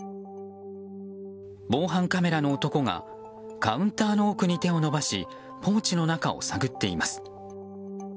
防犯カメラの男がカウンターの奥に手を伸ばしポーチの中を探っています。